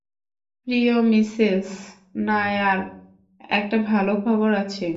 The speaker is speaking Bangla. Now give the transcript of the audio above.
প্রিয় মিসেস নায়ার, একটা ভালো খবর আছে।